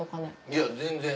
いや全然。